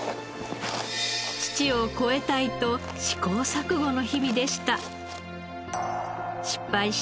父を超えたいと試行錯誤の日々でした。